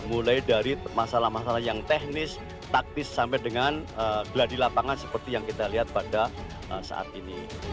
mulai dari masalah masalah yang teknis taktis sampai dengan geladi lapangan seperti yang kita lihat pada saat ini